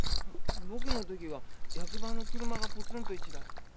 僕のときは役場の車がポツンと一台。